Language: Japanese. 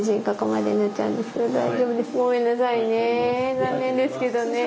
残念ですけどね。ね。